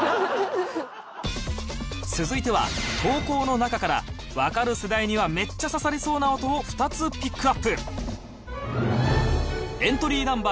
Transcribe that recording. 続いては投稿の中からわかる世代にはめっちゃ刺さりそうな音を２つピックアップ